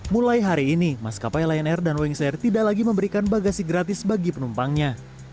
mulai hari ini maskapai lion air dan wings air tidak lagi memberikan bagasi gratis bagi penumpangnya